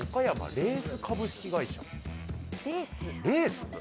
レース？